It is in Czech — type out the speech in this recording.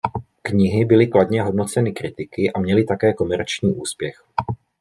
Knihy byly kladně hodnoceny kritiky a měly také komerční úspěch.